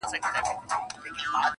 • بس و یار ته ستا خواږه کاته درمان سي..